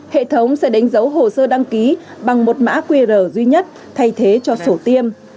hệ thống sẽ đánh dấu hồ sơ đăng ký bằng một mã qr duy nhất thay thế cho sổ tiêm